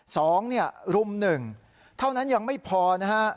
สองเนี่ยรุมหนึ่งเท่านั้นยังไม่พอนะฮะ